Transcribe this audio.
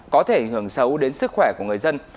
có thể ảnh hưởng xấu đến sức khỏe của người dân